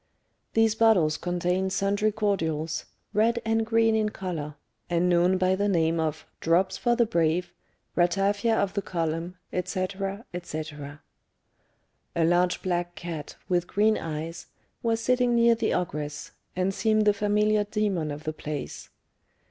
These bottles contained sundry cordials, red and green in colour, and known by the names of "Drops for the Brave," "Ratafia of the Column," etc., etc. A large black cat, with green eyes, was sitting near the ogress, and seemed the familiar demon of the place.